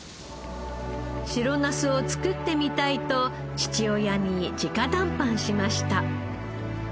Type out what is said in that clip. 白ナスを作ってみたいと父親に直談判しました。